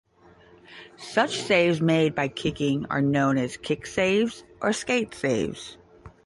Such saves made by kicking are known as kick saves or skate saves.